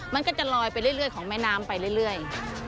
มันก็จะลอยไปเรื่อยของแม่น้ำไปเรื่อย